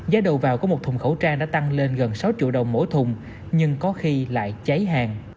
giá đầu vào của một thùng khẩu trang đã tăng lên gần sáu triệu đồng mỗi thùng nhưng có khi lại cháy hàng